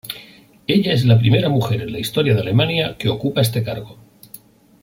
Ella es la primera mujer en la historia de Alemania que ocupa este cargo.